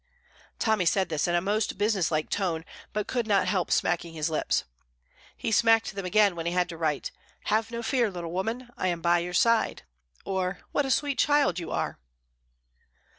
Tommy said this in a most businesslike tone, but could not help smacking his lips. He smacked them again when he had to write: "Have no fear, little woman; I am by your side." Or, "What a sweet child you are!"